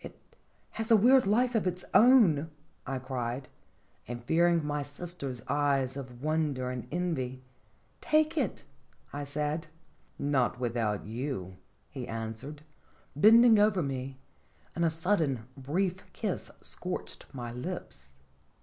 " It has a weird life of its own!" I cried; and, fearing my sisters' eyes of wonder and envy, " Take it !" I said. "Not without you," he answered, bending over me, and a sudden, brief kiss scorched my lips.